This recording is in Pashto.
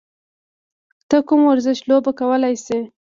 ته کوم ورزش لوبه کولی شې؟